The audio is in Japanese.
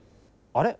あれ？